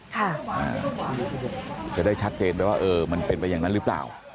จะได้ชัดเจนไปว่าเออมันเป็นไปอย่างนั้นหรือเปล่า